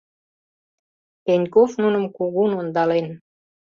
Пеньков нуным кугун ондален.